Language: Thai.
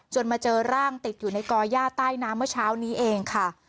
มาเจอร่างติดอยู่ในก่อย่าใต้น้ำเมื่อเช้านี้เองค่ะ